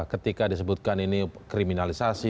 ketika disebutkan ini kriminalisasi